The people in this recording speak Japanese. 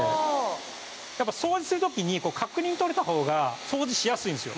やっぱ掃除する時に確認取れた方が掃除しやすいんですよ。